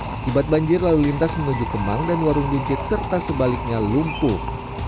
akibat banjir lalu lintas menuju kemang dan warung buncit serta sebaliknya lumpuh